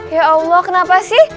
ya allah kenapa sih